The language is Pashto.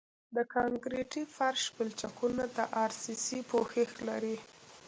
د کانکریټي فرش پلچکونه د ار سي سي پوښښ لري